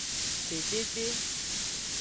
Sedede.